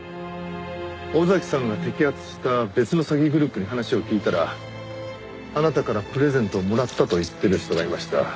尾崎さんが摘発した別の詐欺グループに話を聞いたらあなたからプレゼントをもらったと言ってる人がいました。